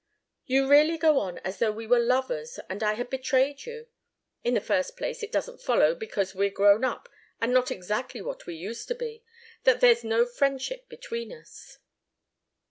"You really go on as though we were lovers, and I had betrayed you. In the first place it doesn't follow, because we're grown up and not exactly what we used to be, that there's no friendship between us.